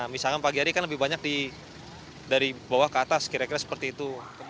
misalkan pagi hari kan lebih banyak dari bawah ke atas kira kira seperti itu